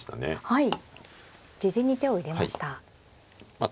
はい。